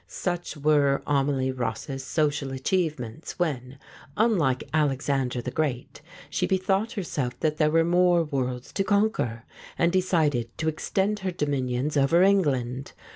Such were Amelie Ross's social achievements when, unlike Alexander the Great, she bethought herself that there were more worlds to conquer, and decided to extend her dominions over England.